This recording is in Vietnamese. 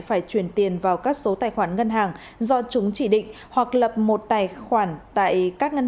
phải chuyển tiền vào các số tài khoản ngân hàng do chúng chỉ định hoặc lập một tài khoản tại các ngân